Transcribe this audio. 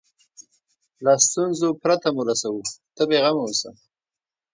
له ستونزو پرته مو رسوو ته بیغمه اوسه.